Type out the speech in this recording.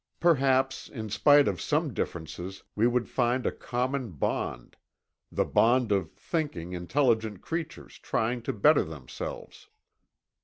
Perhaps, in spite of some differences, we would find a common bond—the bond of thinking, intelligent creatures trying to better themselves.